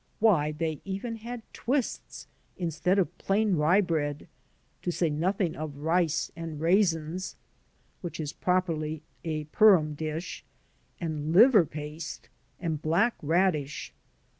Why, they even had twists instead of plain rye bread, to say nothing of rice and raisms (which is properly a Purim dish) and liver paste and hltick radish.